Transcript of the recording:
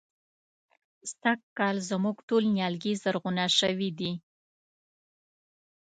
سږکال زموږ ټول نيالګي زرغونه شوي دي.